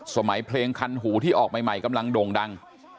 เพลงคันหูที่ออกใหม่กำลังโด่งดัง